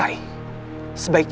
aku akan menimbulkan